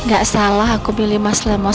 gak salah aku pilih mas lama